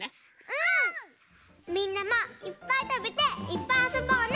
みんなもいっぱいたべていっぱいあそぼうね！